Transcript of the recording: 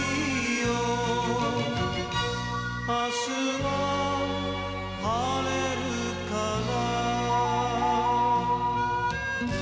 「明日は晴れるかな」